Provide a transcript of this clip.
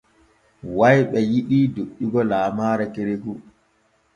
Wayɓe yiɗii doƴƴugo laamaare kereku.